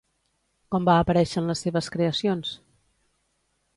Com va aparèixer en les seves creacions?